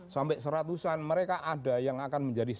sampai seratusan mereka ada yang akan menjadi